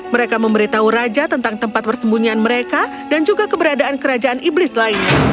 mereka memberitahu raja tentang tempat persembunyian mereka dan juga keberadaan kerajaan iblis lainnya